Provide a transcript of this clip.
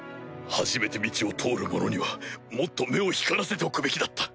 初めて道を通る者にはもっと目を光らせておくべきだった。